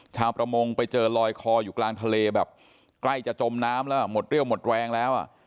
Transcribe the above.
ชาวประมงไปเจอลอยคออยู่กลางทะเลแบบใกล้จะจมน้ำแล้วหมดเรี่ยวหมดแรงแล้วอ่ะ